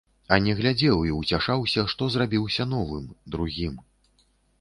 А не глядзеў і ўцяшаўся, што зрабіўся новым, другім.